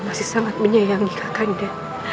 masih sangat menyayangi kakanda